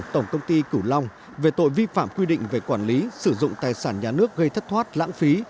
tổng công ty cửu long về tội vi phạm quy định về quản lý sử dụng tài sản nhà nước gây thất thoát lãng phí